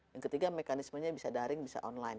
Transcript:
yang ketiga mekanismenya bisa daring bisa online